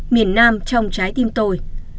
miền nam trong trái tim tôi